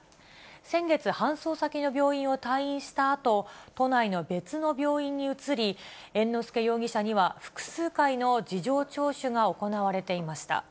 先月、搬送先の病院を退院したあと、都内の別の病院に移り、猿之助容疑者には複数回の事情聴取が行われていました。